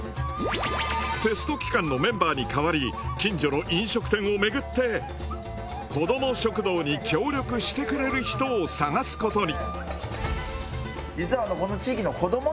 テスト期間のメンバーに代わり近所の飲食店をめぐって子ども食堂に協力してくれる人を探すことに。